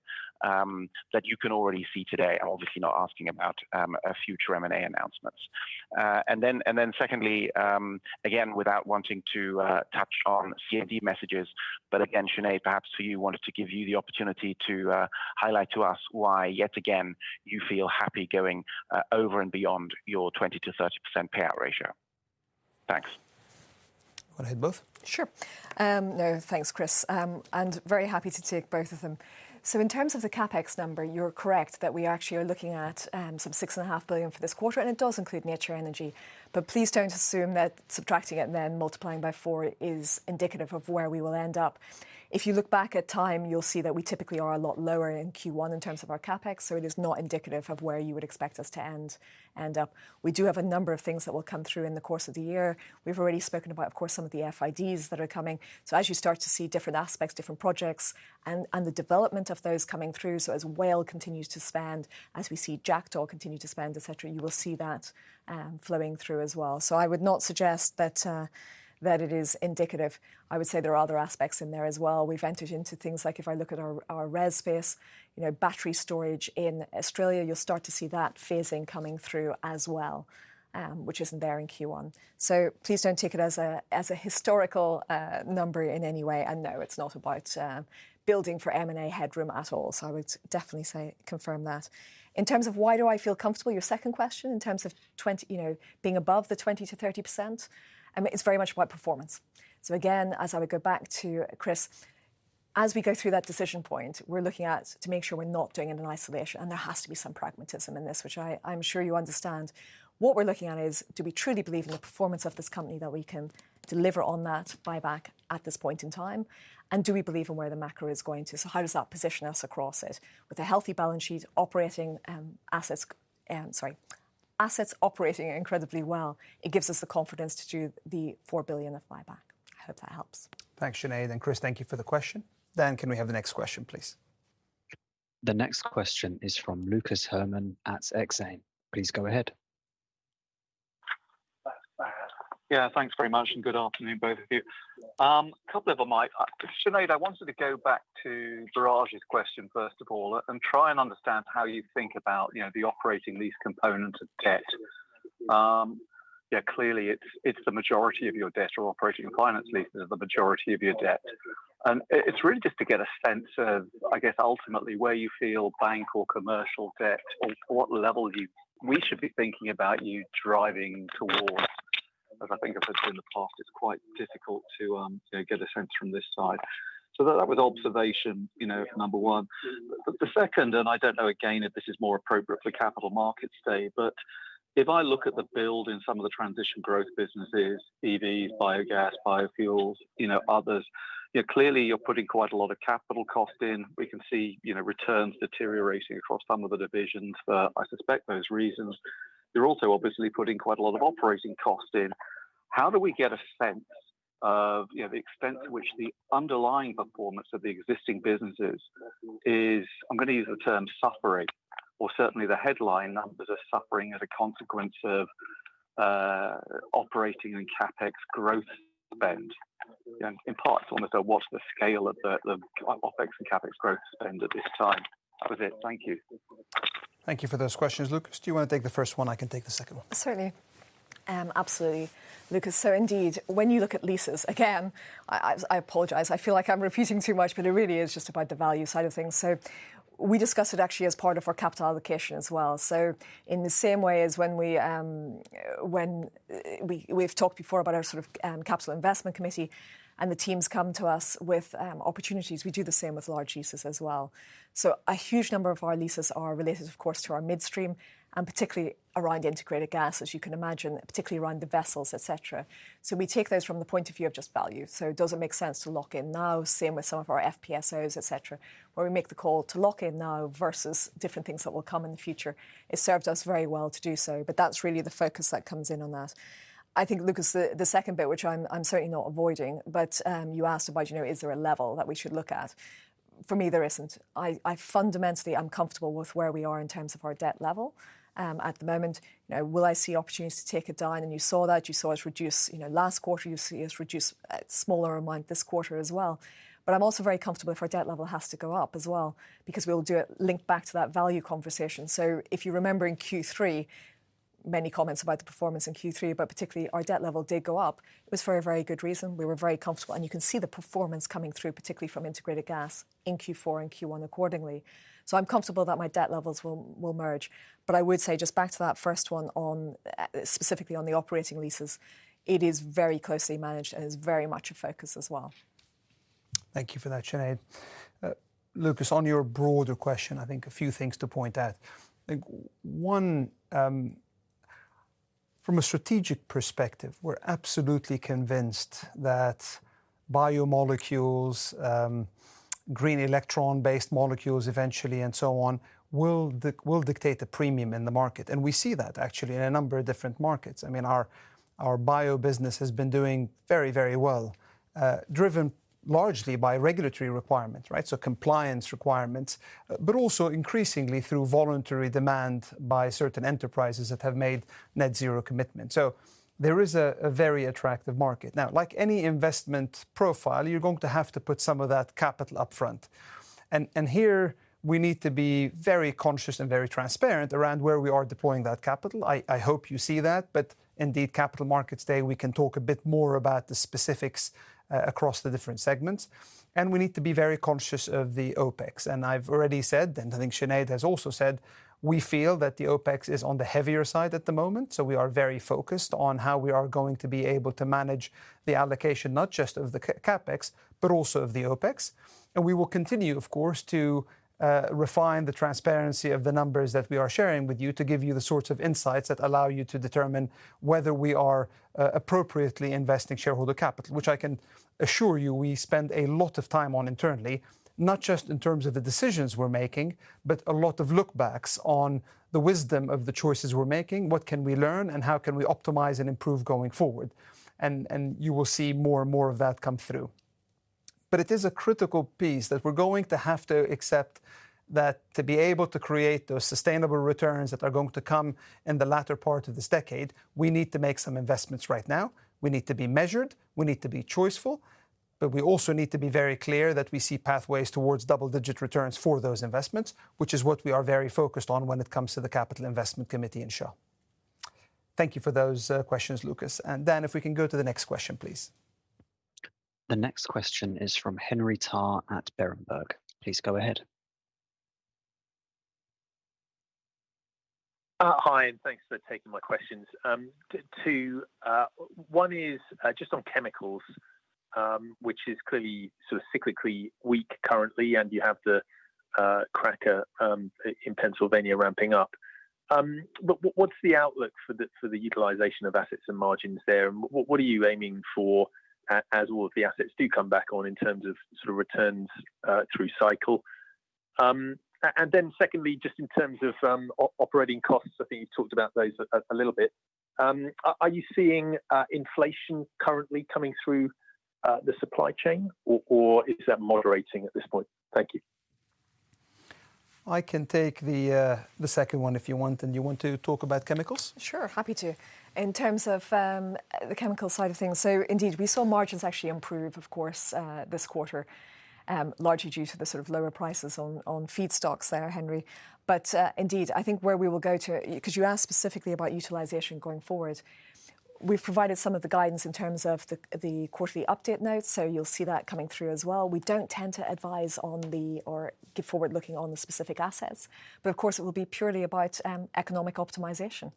that you can already see today? I'm obviously not asking about future M&A announcements. Secondly, again, without wanting to touch on CMD messages, but again, Sinead, perhaps you wanted to give you the opportunity to highlight to us why, yet again, you feel happy going over and beyond your 20%-30% payout ratio. Thanks. Wanna hit both? Sure. Thanks, Chris. Very happy to take both of them. In terms of the CapEx number, you're correct that we actually are looking at $6.5 billion for this quarter, it does include Nature Energy. Please don't assume that subtracting it and then multiplying by four is indicative of where we will end up. If you look back at time, you'll see that we typically are a lot lower in Q1 in terms of our CapEx, it is not indicative of where you would expect us to end up. We do have a number of things that will come through in the course of the year. We've already spoken about, of course, some of the FIDs that are coming. As you start to see different aspects, different projects, and the development of those coming through. As Wael continues to spend, as we see Jackdaw continue to spend, et cetera, you will see that flowing through as well. I would not suggest that that it is indicative. I would say there are other aspects in there as well. We've entered into things like if I look at our res space, you know, battery storage in Australia, you'll start to see that phasing coming through as well, which isn't there in Q1. Please don't take it as a, as a historical number in any way. No, it's not about building for M&A headroom at all. I would definitely say confirm that. In terms of why do I feel comfortable, your second question, in terms of 20%, you know, being above the 20%-30%, it's very much about performance. Again, as I would go back to Chris, as we go through that decision point, we're looking at to make sure we're not doing it in isolation, and there has to be some pragmatism in this, which I'm sure you understand. What we're looking at is, do we truly believe in the performance of this company that we can deliver on that buyback at this point in time? Do we believe in where the macro is going to? How does that position us across it? With a healthy balance sheet operating assets, sorry, assets operating incredibly well, it gives us the confidence to do the $4 billion of buyback. I hope that helps. Thanks, Sinead, and Chris, thank you for the question. Dan, can we have the next question, please? The next question is from Lucas Herrmann at Exane. Please go ahead. Yeah, thanks very much. Good afternoon, both of you. Couple of them. Sinead, I wanted to go back to Biraj's question, first of all, and try and understand how you think about, you know, the operating lease component of debt. Clearly, it's the majority of your debt or operating finance leases are the majority of your debt. It's really just to get a sense of, I guess, ultimately, where you feel bank or commercial debt or what level we should be thinking about you driving towards. As I think I've heard you in the past, it's quite difficult to, you know, get a sense from this side. That was observation, you know, number one. The second. I don't know, again, if this is more appropriate for Capital Markets Day. If I look at the build in some of the transition growth businesses, EVs, biogas, biofuels, you know, others, you know, clearly you're putting quite a lot of capital cost in. We can see, you know, returns deteriorating across some of the divisions for, I suspect, those reasons. You're also obviously putting quite a lot of operating costs in. How do we get a sense of, you know, the extent to which the underlying performance of the existing businesses is, I'm gonna use the term suffering, or certainly the headline numbers are suffering as a consequence of. Operating and CapEx growth spend. In part, it's almost like what's the scale of the OpEx and CapEx growth spend at this time? That was it. Thank you. Thank you for those questions, Lucas. Do you wanna take the first one? I can take the second one. Certainly. Absolutely, Lucas. Indeed, when you look at leases, again, I apologize. I feel like I'm repeating too much, but it really is just about the value side of things. We discuss it actually as part of our capital allocation as well. In the same way as when we've talked before about our sort of Capital Investment Committee, and the teams come to us with opportunities. We do the same with large leases as well. A huge number of our leases are related, of course, to our midstream, and particularly around integrated gas, as you can imagine, particularly around the vessels, etc. We take those from the point of view of just value. Does it make sense to lock in now? Same with some of our FPSOs, et cetera, where we make the call to lock in now versus different things that will come in the future. It serves us very well to do so. That's really the focus that comes in on that. I think, Lucas, the second bit, which I'm certainly not avoiding, but you asked about, you know, is there a level that we should look at? For me, there isn't. I fundamentally am comfortable with where we are in terms of our debt level at the moment. You know, will I see opportunities to take a dive? You saw that. You saw us reduce, you know, last quarter. You see us reduce a smaller amount this quarter as well. I'm also very comfortable if our debt level has to go up as well because we'll do it linked back to that value conversation. If you remember in Q3, many comments about the performance in Q3, but particularly our debt level did go up. It was for a very good reason. We were very comfortable, and you can see the performance coming through, particularly from Integrated Gas in Q4 and Q1 accordingly. I'm comfortable that my debt levels will merge. I would say just back to that first one on specifically on the operating leases, it is very closely managed and is very much a focus as well. Thank you for that, Sinead. Lucas, on your broader question, I think a few things to point out. I think one, from a strategic perspective, we're absolutely convinced that biomolecules, green electron-based molecules eventually, and so on, will dictate the premium in the market. We see that actually in a number of different markets. I mean, our bio business has been doing very, very well, driven largely by regulatory requirements, right? Compliance requirements, but also increasingly through voluntary demand by certain enterprises that have made net zero commitments. There is a very attractive market. Now, like any investment profile, you're going to have to put some of that capital up front. Here we need to be very conscious and very transparent around where we are deploying that capital. I hope you see that. Indeed, Capital Markets Day, we can talk a bit more about the specifics across the different segments. We need to be very conscious of the OpEx. I've already said, and I think Sinead has also said, we feel that the OpEx is on the heavier side at the moment, so we are very focused on how we are going to be able to manage the allocation not just of the CapEx, but also of the OpEx. We will continue, of course, to refine the transparency of the numbers that we are sharing with you to give you the sorts of insights that allow you to determine whether we are appropriately investing shareholder capital, which I can assure you we spend a lot of time on internally, not just in terms of the decisions we're making, but a lot of look backs on the wisdom of the choices we're making, what can we learn, and how can we optimize and improve going forward. You will see more and more of that come through. It is a critical piece that we're going to have to accept that to be able to create those sustainable returns that are going to come in the latter part of this decade, we need to make some investments right now. We need to be measured. We need to be choiceful. We also need to be very clear that we see pathways towards double-digit returns for those investments, which is what we are very focused on when it comes to the Capital Investment Committee in Shell. Thank you for those, questions, Lucas. Dan, if we can go to the next question, please. The next question is from Henri Tarr at Berenberg. Please go ahead. Hi, and thanks for taking my questions. Two, one is just on chemicals, which is clearly sort of cyclically weak currently, and you have the cracker in Pennsylvania ramping up. What's the outlook for the utilization of assets and margins there? What are you aiming for as all of the assets do come back on in terms of sort of returns through cycle? Secondly, just in terms of operating costs, I think you talked about those a little bit. Are you seeing inflation currently coming through the supply chain or is that moderating at this point? Thank you. I can take the second one if you want. You want to talk about chemicals? Sure. Happy to. In terms of the chemical side of things, indeed, we saw margins actually improve, of course, this quarter, largely due to the sort of lower prices on feedstocks there, Henri. Indeed, I think where we will go to 'cause you asked specifically about utilization going forward. We've provided some of the guidance in terms of the quarterly update notes, so you'll see that coming through as well. We don't tend to advise on the, or give forward looking on the specific assets. Of course, it will be purely about economic optimization.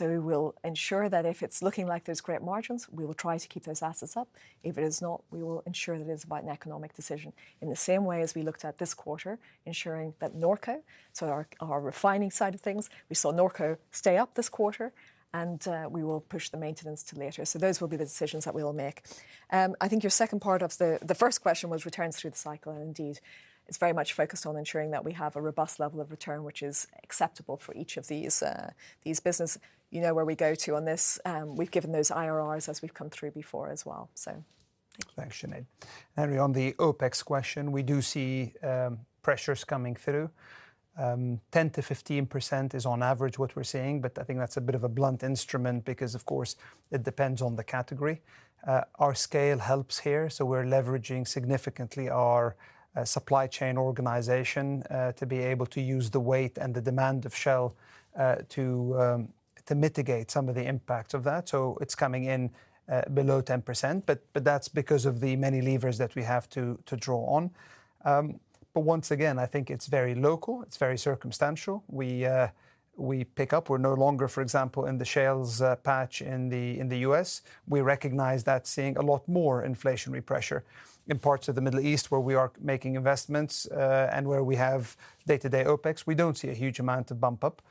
We will ensure that if it's looking like there's great margins, we will try to keep those assets up. If it is not, we will ensure that it is about an economic decision. In the same way as we looked at this quarter, ensuring that Norco, so our refining side of things, we saw Norco stay up this quarter, and we will push the maintenance to later. Those will be the decisions that we will make. I think your second part of the first question was returns through the cycle, and indeed, it's very much focused on ensuring that we have a robust level of return, which is acceptable for each of these business. You know, where we go to on this, we've given those IRRs as we've come through before as well, so. Thanks, Sinead. Henri, on the OpEx question, we do see pressures coming through. 10%-15% is on average what we're seeing, but I think that's a bit of a blunt instrument because, of course, it depends on the category. Our scale helps here, we're leveraging significantly our supply chain organization to be able to use the weight and the demand of Shell to mitigate some of the impact of that. It's coming in below 10%, but that's because of the many levers that we have to draw on. Once again, I think it's very local, it's very circumstantial. We pick up. We're no longer, for example, in the shales patch in the U.S., we recognize that seeing a lot more inflationary pressure. In parts of the Middle East where we are making investments, and where we have day-to-day OpEx, we don't see a huge amount of bump up.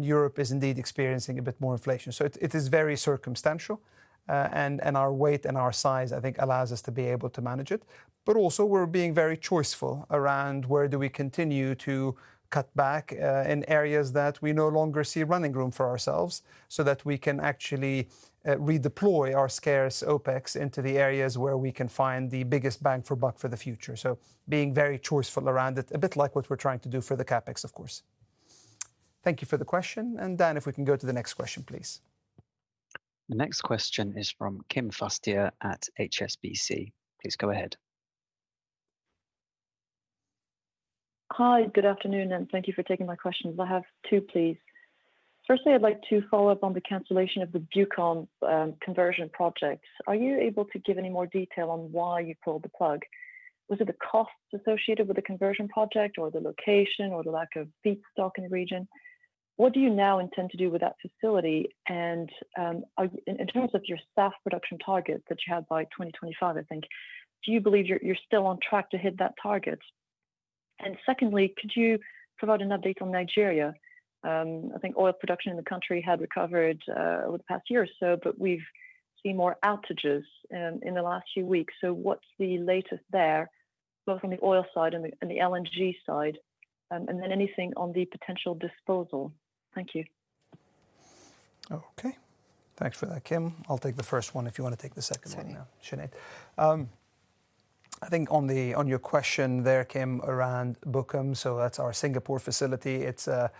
Europe is indeed experiencing a bit more inflation. It is very circumstantial. Our weight and our size, I think allows us to be able to manage it. But also, we're being very choiceful around where do we continue to cut back, in areas that we no longer see running room for ourselves, so that we can actually redeploy our scarce OpEx into the areas where we can find the biggest bang for buck for the future. Being very choiceful around it, a bit like what we're trying to do for the CapEx, of course. Thank you for the question. Dan, if we can go to the next question, please. The next question is from Kim Fustier at HSBC. Please go ahead. Hi, good afternoon, and thank you for taking my questions. I have two, please. Firstly, I'd like to follow up on the cancellation of the Bukom conversion project. Are you able to give any more detail on why you pulled the plug? Was it the costs associated with the conversion project, or the location, or the lack of feedstock in the region? What do you now intend to do with that facility? In terms of your SAF production target that you had by 2025, I think, do you believe you're still on track to hit that target? Secondly, could you provide an update on Nigeria? I think oil production in the country had recovered over the past year or so, but we've seen more outages in the last few weeks. What's the latest there, both on the oil side and the LNG side? Anything on the potential disposal. Thank you. Okay. Thanks for that, Kim. I'll take the first one if you wanna take the second one... Sure Sinead. I think on the, on your question there, Kim, around Bukom, so that's our Singapore facility. It's a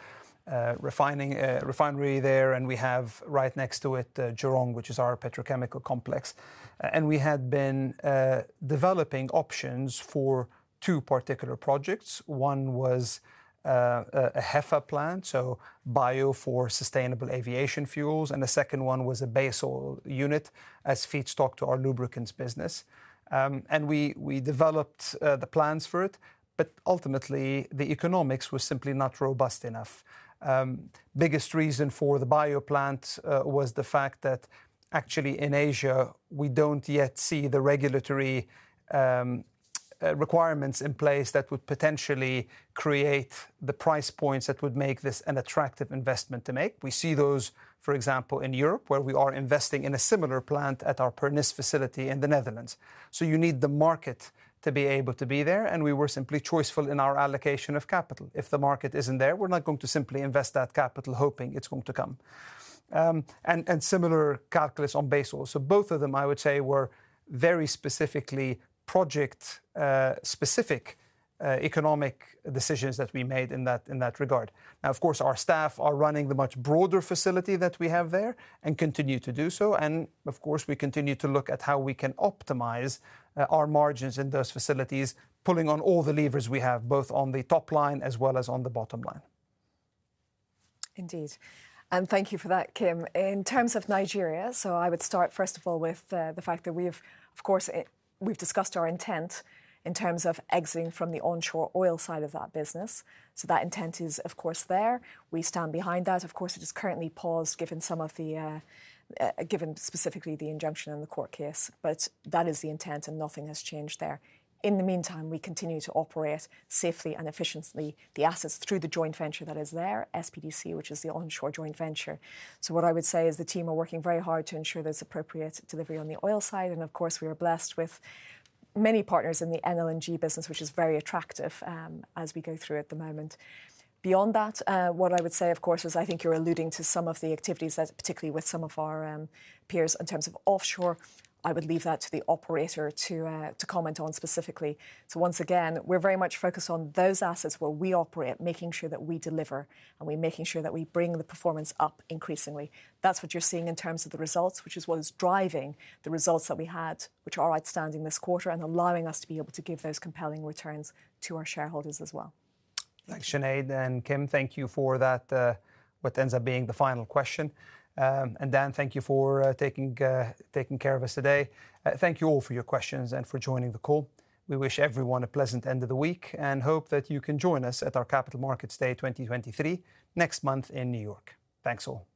refining refinery there, and we have right next to it, Jurong, which is our petrochemical complex. We had been developing options for two particular projects. One was a HEFA plant, so bio for sustainable aviation fuels, and the second one was a base oil unit as feedstock to our lubricants business. We developed the plans for it, but ultimately, the economics were simply not robust enough. Biggest reason for the bio plant was the fact that actually in Asia, we don't yet see the regulatory requirements in place that would potentially create the price points that would make this an attractive investment to make. We see those, for example, in Europe, where we are investing in a similar plant at our Pernis facility in the Netherlands. You need the market to be able to be there, and we were simply choiceful in our allocation of capital. If the market isn't there, we're not going to simply invest that capital hoping it's going to come. And similar calculus on base oil. Both of them, I would say, were very specifically project specific economic decisions that we made in that, in that regard. Of course, our staff are running the much broader facility that we have there and continue to do so. Of course, we continue to look at how we can optimize our margins in those facilities, pulling on all the levers we have, both on the top line as well as on the bottom line. Indeed. Thank you for that, Kim. In terms of Nigeria, I would start, first of all, with the fact that we've, of course, discussed our intent in terms of exiting from the onshore oil side of that business. That intent is, of course, there. We stand behind that. Of course, it is currently paused given some of the given specifically the injunction and the court case. That is the intent, and nothing has changed there. In the meantime, we continue to operate safely and efficiently the assets through the joint venture that is there, SPDC, which is the onshore joint venture. What I would say is the team are working very hard to ensure there's appropriate delivery on the oil side. Of course, we are blessed with many partners in the LNG business, which is very attractive, as we go through at the moment. Beyond that, what I would say, of course, is I think you're alluding to some of the activities as particularly with some of our peers in terms of offshore. I would leave that to the operator to comment on specifically. Once again, we're very much focused on those assets where we operate, making sure that we deliver, and we're making sure that we bring the performance up increasingly. That's what you're seeing in terms of the results, which is what is driving the results that we had, which are outstanding this quarter and allowing us to be able to give those compelling returns to our shareholders as well. Thanks, Sinead and Kim. Thank you for that, what ends up being the final question. Dan, thank you for taking care of us today. Thank you all for your questions and for joining the call. We wish everyone a pleasant end of the week and hope that you can join us at our Capital Markets Day 2023 next month in New York. Thanks all.